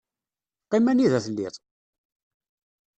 Qqim anida telliḍ!